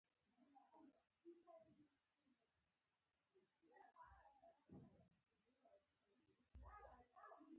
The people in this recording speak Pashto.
سوالګر له تمې ژوندی دی